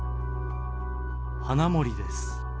花森です。